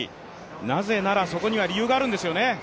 なぜなら、そこには理由があるんですよね。